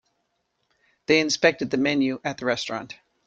They inspected the menu at the restaurant.